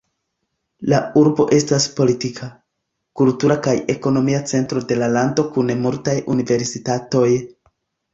La urbo estas politika, kultura kaj ekonomia centro de la lando kun multaj universitatoj.